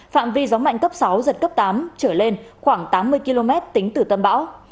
phạm vi gió mạnh cấp sáu giật cấp tám trở lên khoảng tám mươi km tính từ tâm bão